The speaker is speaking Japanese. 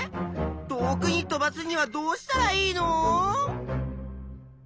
遠くに飛ばすにはどうしたらいいの？